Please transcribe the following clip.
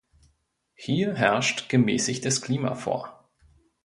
Hier herrscht gemäßigtes Klima vor.